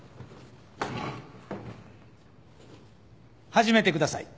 始めてください。